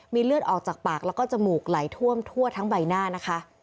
เลือดออกจากปากแล้วก็จมูกไหลท่วมทั่วทั้งใบหน้านะคะ